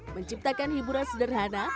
menciptakan hiburan sederhana